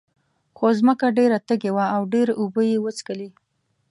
خو ځمکه ډېره تږې وه او ډېرې اوبه یې وڅکلې.